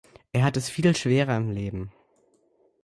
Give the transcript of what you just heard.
Er hat es viel schwerer im Leben.